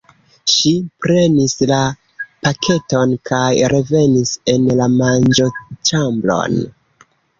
Ŝi prenis la paketon kaj revenis en la manĝoĉambron.